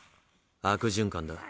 悪循環だ。